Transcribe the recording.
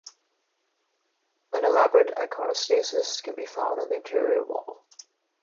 An elaborate iconostasis can be found on the interior wall.